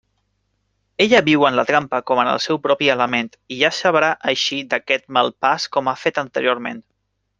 Ella viu en la trampa com en el seu propi element, i ja sabrà eixir d'aquest mal pas com ha fet anteriorment.